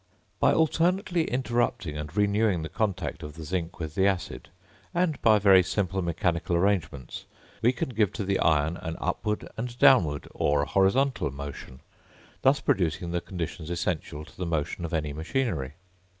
By alternately interrupting and renewing the contact of the zinc with the acid, and by very simple mechanical arrangements, we can give to the iron an upward and downward or a horizontal motion, thus producing the conditions essential to the motion of any machinery.